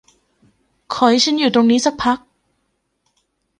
ขอให้ฉันอยู่ตรงนี้สักพัก